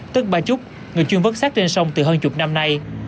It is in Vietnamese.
tức ba trúc người chuyên vất sát trên sông từ hơn chục năm nay